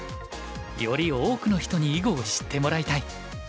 「より多くの人に囲碁を知ってもらいたい」。